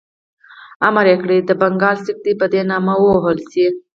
امر یې کړی د بنګال سکه دي په ده نامه ووهل شي.